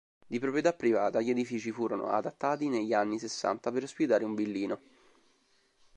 Di proprietà privata, gli edifici furono adattati negli anni sessanta per ospitare un villino.